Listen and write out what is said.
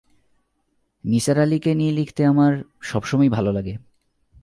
নিসার আলিকে নিয়ে লিখতে আমার সব সময়ই ভাল লাগে।